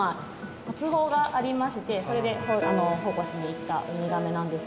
通報がありましてそれで保護しに行ったウミガメなんですけれども。